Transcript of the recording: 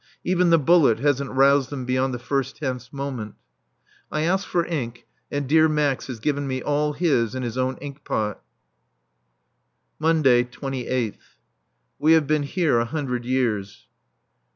Even the bullet hasn't roused them beyond the first tense moment. I ask for ink, and dear Max has given me all his in his own ink pot. [Monday, 28th.] We have been here a hundred years.